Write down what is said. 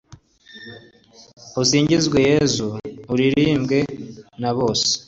usingizwe yezu, uririmbwe na bose